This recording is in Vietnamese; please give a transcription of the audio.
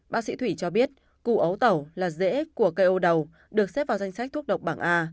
bác sĩ thủy cho biết cù ấu tẩu là dễ của cây ô đầu được xếp vào danh sách thuốc độc bảng a